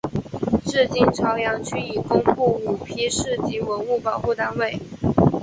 至今潮阳区已公布五批市级文物保护单位。